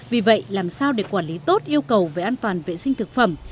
vì vậy làm sao để quản lý tốt yêu cầu về an toàn vệ sinh thực phẩm